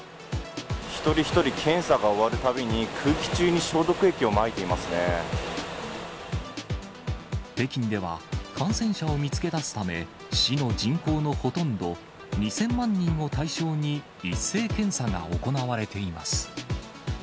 一人一人検査が終わるたびに、北京では、感染者を見つけ出すため、市の人口のほとんど、２０００万人を対象に一斉検査が行われています。